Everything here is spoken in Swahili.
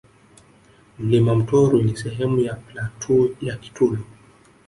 Mlima Mtorwi ni sehemu ya platu ya Kitulo